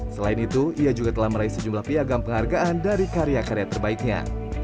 selain itu ia juga telah meraih sejumlah piagam penghargaan dari karya karya terbaiknya